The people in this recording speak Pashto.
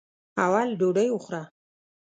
اول ډوډۍ وخوره.